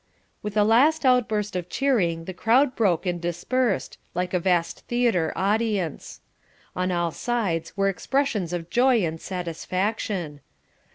With a last outburst of cheering the crowd broke and dispersed, like a vast theatre audience. On all sides were expressions of joy and satisfaction.